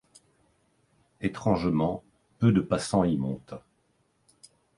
Étrangement, peu de passants y montent.